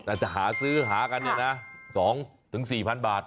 แต่จะหาซื้อหากัน๒ถึง๔๐๐๐บาท